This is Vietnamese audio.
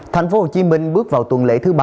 thành phố hồ chí minh bước vào tuần lễ thứ ba